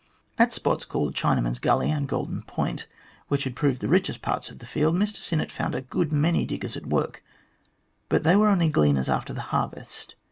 At spots called Chinaman's Gully and Golden Point, which had proved the richest parts of the field, Mr Sinnett found a good many diggers at work, but they were only gleaners after the harvest.